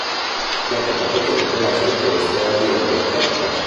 Dopo poco tempo lascia il posto a Diego Cocca.